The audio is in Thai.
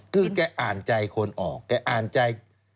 คือแกอ่านใจคนออกแกอ่านใจ